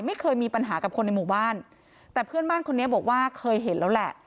ไม่เคยมีปัญหากับคนในหมู่บ้านแต่เพื่อนบ้านคนนี้บอกว่าเคยเห็นแล้วแหละ